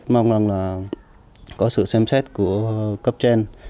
mong rằng là có sự xem xét của cấp trên